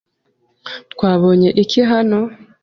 Twabonye iki hano?